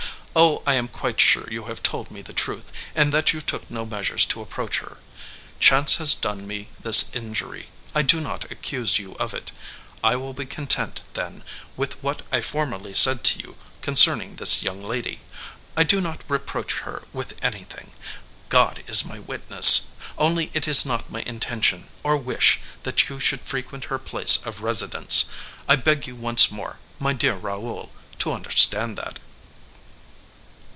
Oh, I am quite sure you have told me the truth, and that you took no measures to approach her. Chance has done me this injury; I do not accuse you of it. I will be content, then, with what I formerly said to you concerning this young lady. I do not reproach her with anything—God is my witness! only it is not my intention or wish that you should frequent her place of residence. I beg you once more, my dear Raoul, to understand that."